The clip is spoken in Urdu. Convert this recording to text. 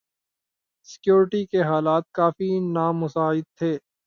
سکیورٹی کے حالات کافی نامساعد تھے